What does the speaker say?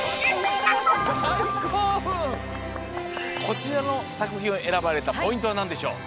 こちらのさくひんをえらばれたポイントはなんでしょう？